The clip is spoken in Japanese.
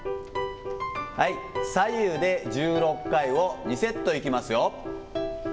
はい、左右で１６回を２セットいきますよ。